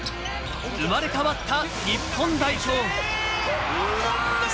生まれ変わった日本代表。